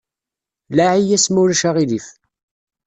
Laɛi-yas ma ulac aɣilif.